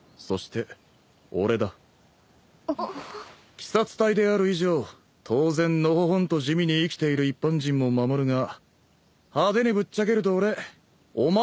鬼殺隊である以上当然のほほんと地味に生きている一般人も守るが派手にぶっちゃけると俺お前らのが大事だから。